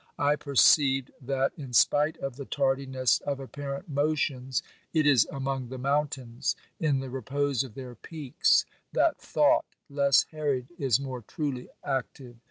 I perceived that, in spite of the tardiness of apparent motions, it is among the mountains, in the repose of their peaks, that thought, less harried, is more truly active.